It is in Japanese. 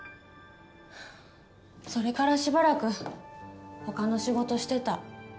それからしばらくほかの仕事してた。